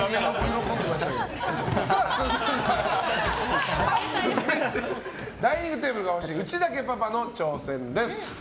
続いてダイニングテーブルが欲しい内田家パパの挑戦です。